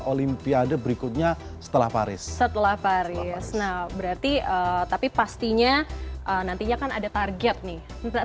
olimpiade berikutnya setelah paris setelah paris nah berarti tapi pastinya nantinya kan ada target nih